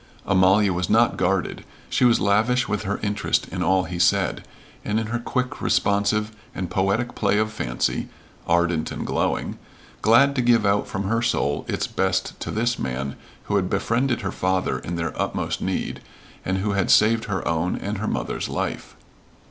Amalia was not guarded; she was lavish with her interest in all he said, and in her quick, responsive, and poetic play of fancy ardent and glowing glad to give out from her soul its best to this man who had befriended her father in their utmost need and who had saved her own and her mother's life.